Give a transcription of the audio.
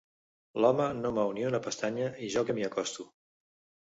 L'home no mou ni una pestanya i jo que m'hi acosto.